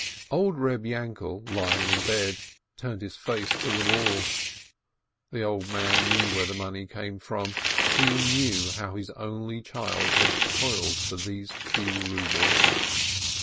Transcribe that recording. Old Reb Yainkel lying in bed turned his face to the wall. The old man knew where the money came from, he knew how his only child had toiled for those few rubles.